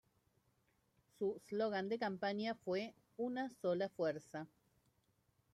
Su slogan de campaña fue "Una Sola Fuerza".